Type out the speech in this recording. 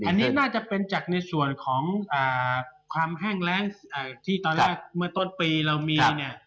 อันนี้น่าจะเป็นจากในส่วนของความแห้งแรงที่ตอนแรกเมื่อต้นปีเรามีเนี่ย